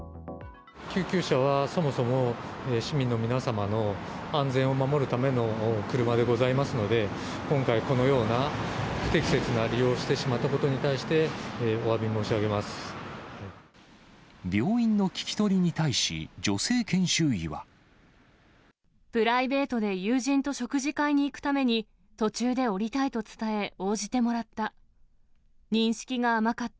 救急車はそもそも市民の皆様の安全を守るための車でございますので、今回、このような不適切な利用をしてしまったことに対しておわび申し上病院の聴き取りに対し、プライベートで友人と食事会に行くために、途中で降りたいと伝え、応じてもらった。